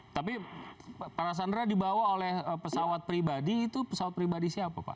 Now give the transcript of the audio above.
tapi para sandra dibawa oleh pesawat pribadi itu pesawat pribadi siapa pak